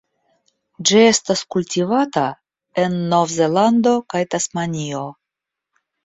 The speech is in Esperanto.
Ĝi estas kultivata en Novzelando kaj Tasmanio.